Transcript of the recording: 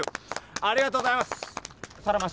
ありがとうございます。